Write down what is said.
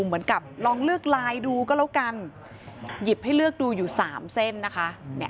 เหมือนกับลองเลือกลายดูก็แล้วกันหยิบให้เลือกดูอยู่๓เส้นนะคะ